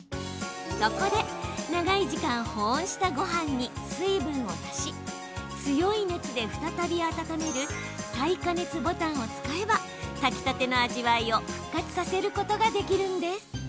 そこで長い時間保温したごはんに水分を足し強い熱で再び温める再加熱ボタンを使えば炊きたての味わいを復活させることができるんです。